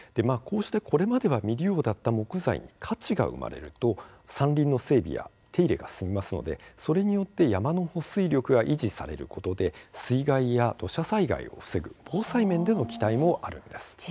これまでは未利用だった木材にも価値が生まれると山林の整備や手入れが進みますので、それによって山の保水力が維持されることで水害や土砂災害を防ぐ防災面での期待もあるんです。